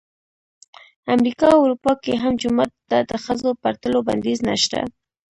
امریکا او اروپا کې هم جومات ته د ښځو پر تلو بندیز نه شته.